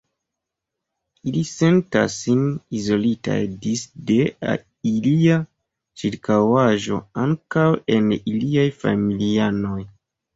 Ili sentas sin izolitaj disde ilia ĉirkaŭaĵo, ankaŭ el iliaj familianoj.